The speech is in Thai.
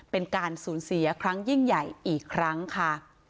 เป็นการสูญเสียครั้งยิ่งใหญ่อีกครั้งค่ะ